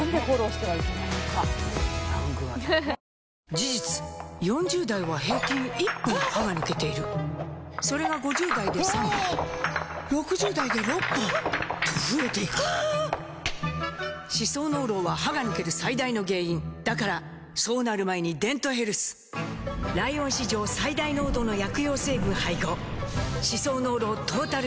事実４０代は平均１本歯が抜けているそれが５０代で３本６０代で６本と増えていく歯槽膿漏は歯が抜ける最大の原因だからそうなる前に「デントヘルス」ライオン史上最大濃度の薬用成分配合歯槽膿漏トータルケア！